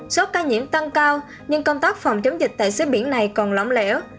số ca nhiễm tăng cao nhưng công tác phòng chống dịch tại xứ biển này còn lỏng lẻo